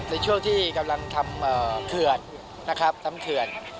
ในช่วงที่กำลังทำเขื่อนนะครับทำเขื่อน